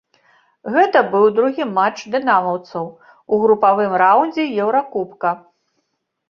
Гэта быў другі матч дынамаўцаў у групавым раўндзе еўракубка.